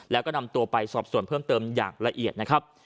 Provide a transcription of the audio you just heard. แล้วก็นำตัวไปสอบส่วนเพิ่มเติมอย่างละเอียดนะครับ